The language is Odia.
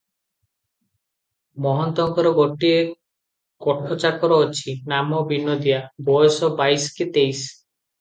ମହନ୍ତଙ୍କର ଗୋଟିଏ କୋଠଚାକର ଅଛି, ନାମ ବିନୋଦିଆ- ବୟସ ବାଇଶ କି ତେଇଶ ।